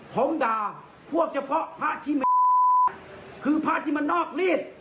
ผมด่าพวกเฉพาะพระที่มันคือพระที่มันนอกรีด